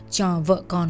cho vợ con của chính mình